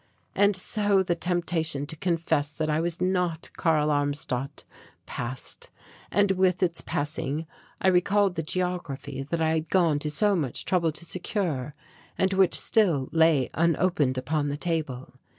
And so the temptation to confess that I was not Karl Armstadt passed, and with its passing, I recalled the geography that I had gone to so much trouble to secure, and which still lay unopened upon the table.